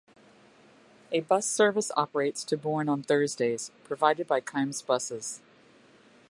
A bus service operates to Bourne on Thursdays, provided by Kimes Buses.